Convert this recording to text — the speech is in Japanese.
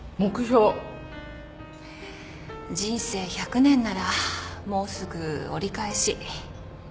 人生１００年ならもうすぐ折り返し